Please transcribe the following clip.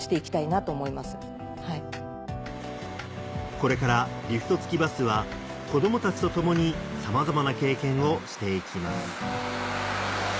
これからリフト付きバスは子供たちと共にさまざまな経験をしていきます